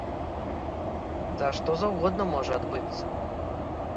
Да, што заўгодна можа адбыцца!